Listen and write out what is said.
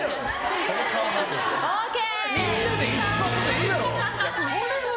ＯＫ！